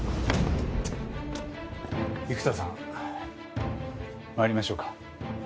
生田さん参りましょうか。